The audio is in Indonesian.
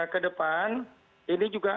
kedepan ini juga